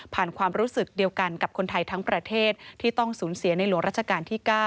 ความรู้สึกเดียวกันกับคนไทยทั้งประเทศที่ต้องสูญเสียในหลวงราชการที่๙